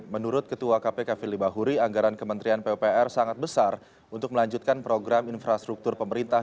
menurut ketua kpk fili bahuri anggaran kementerian pupr sangat besar untuk melanjutkan program infrastruktur pemerintah